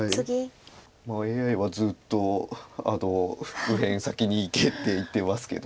ＡＩはずっと右辺先にいけって言ってますけど。